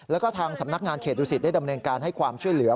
แล้วก็ทางสำนักงานเขตดูสิตได้ดำเนินการให้ความช่วยเหลือ